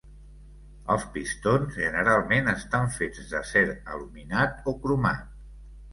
Els pistons generalment estan fets d'acer aluminat o cromat.